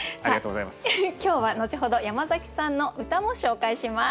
今日は後ほど山崎さんの歌も紹介します。